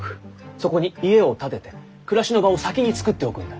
そこに家を建てて暮らしの場を先につくっておくんだ。